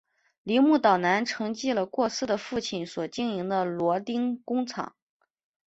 铃木岛男承继了过世的父亲所经营的螺钉工厂。